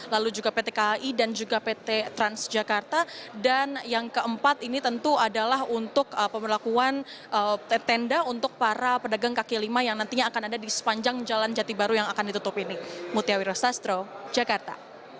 lihat lihat juga tadi sepanjang jalan jati baru yang akan ditutup ini mutia wirastastro jakarta